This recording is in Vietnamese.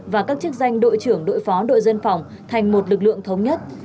và các chức danh đội trưởng đội phó đội dân phòng thành một lực lượng thống nhất